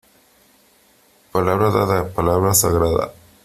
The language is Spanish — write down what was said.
Palabra dada, palabra sagrada.